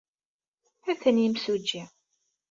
Atan yimsujji.